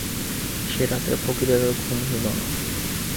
সে রাত্রে ফকিরের আর ঘুম হইল না।